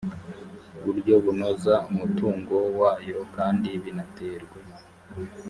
buryo bunoze umutungo wayo kandi binaterwe